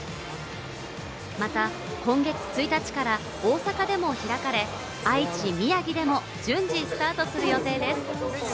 また今月１日から大阪でも開かれ、愛知、宮城でも順次スタートする予定です。